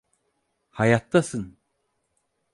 Hayattasın!